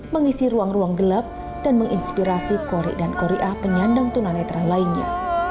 mengisi ruang ruang gelap dan menginspirasi kori dan koriah penyandang tunanetra lainnya